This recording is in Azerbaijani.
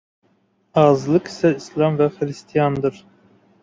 Azlıq isə islam və xristiandır.